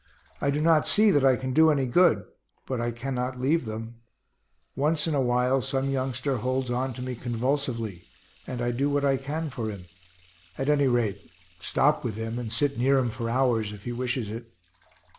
I do not see that I can do any good, but I cannot leave them. Once in a while some youngster holds on to me convulsively, and I do what I can for him; at any rate stop with him, and sit near him for hours, if he wishes it.